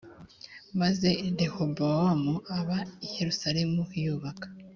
maze rehobowamu aba i yerusalemu yubaka